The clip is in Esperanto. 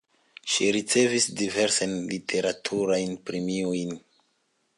Ŝi ricevis diversajn literaturajn premiojn.